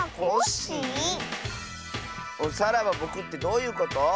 さらばぼくってどういうこと？